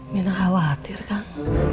minah khawatir kan